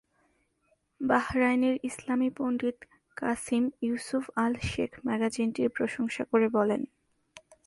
বাহরাইনের ইসলামি পণ্ডিত Qasim Yusuf Al Sheikh ম্যাগাজিনটির প্রশংসা করে বলেন,